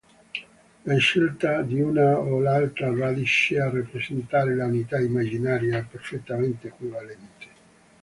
La scelta di una o l'altra radice a rappresentare l'unità immaginaria è perfettamente equivalente.